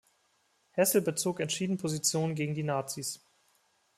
Hessel bezog entschieden Position gegen die Nazis.